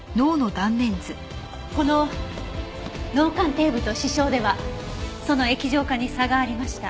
この脳幹底部と視床ではその液状化に差がありました。